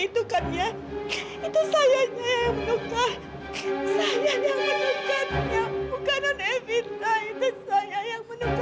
itu sayangnya yang menukar saya yang menukarnya bukanan evita itu saya yang menukarnya